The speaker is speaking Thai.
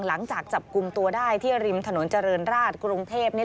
หลังจากจับกลุ่มตัวได้ที่ริมถนนเจริญราชกรุงเทพ